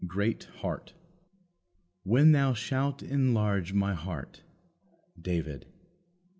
GREAT HEART " when thou shalt enlarge my heart." David.